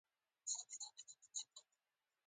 سعودي کې د اذان غږ هر ښار ته ځانګړی روح ورکوي.